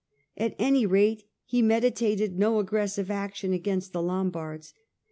At any rate, he meditated no aggressive action against the Lombards.